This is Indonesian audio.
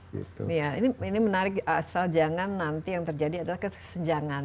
iya ini menarik asal jangan nanti yang terjadi adalah kesenjangan